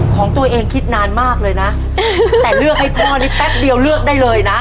ของตัวเองคิดนานมากเลยนะแต่เลือกให้พ่อนี้แป๊บเดียวเลือกได้เลยนะ